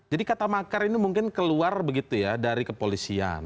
jadi kata makar ini mungkin keluar begitu ya dari kepolisian